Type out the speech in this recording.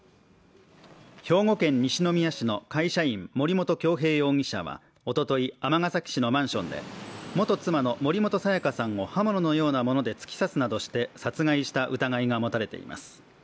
兵庫県西宮市の会社員森本恭平容疑者は、おととい、尼崎市のマンションで元妻の森本彩加さんを刃物のようなもので突き刺すなどして殺害した疑いが持たれています。